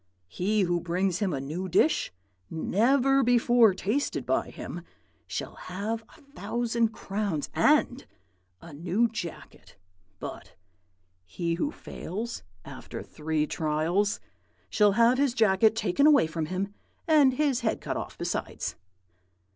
He who brings him a new dish, never before tasted by him, shall have a thousand crowns and a new jacket; but he who fails, after three trials, shall have his jacket taken away from him, and his head cut off besides.'